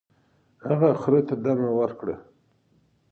هغه خر ته دمه ورکړه.